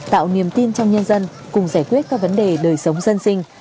tạo niềm tin trong nhân dân cùng giải quyết các vấn đề đời sống dân sinh